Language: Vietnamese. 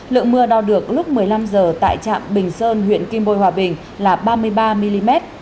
lượng mưa đo được lúc một mươi năm h tại trạm bình sơn huyện kim bôi hòa bình là ba mươi ba mm